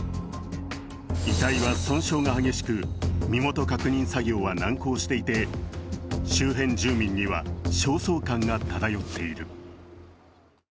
遺体は損傷が激しく、身元確認作業は難航していて、周辺住民には焦燥感が漂っている。